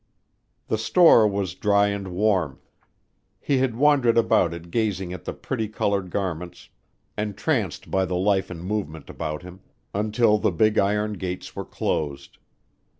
The store was dry and warm. He had wandered about it gazing at the pretty colored garments, entranced by the life and movement about him, until the big iron gates were closed.